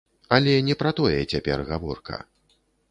Але не пра тое цяпер гаворка.